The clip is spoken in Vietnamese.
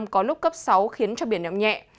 có lúc cấp sáu khiến cho biển ấm nhẹ